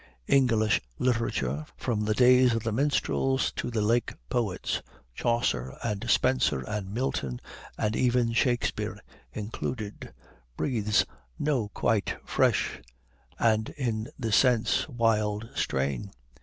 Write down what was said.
English literature, from the days of the minstrels to the Lake Poets, Chaucer and Spenser and Milton, and even Shakespeare, included, breathes no quite fresh and, in this sense, wild strain.